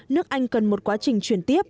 nước anh cần một quá trình chuyển tiếp